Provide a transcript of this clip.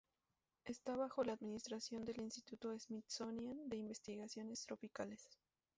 Está bajo la administración del Instituto Smithsonian de Investigaciones Tropicales.